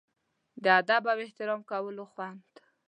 د ادب او احترام کولو خوند.